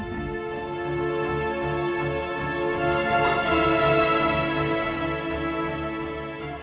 aku bisa ambil satu satunya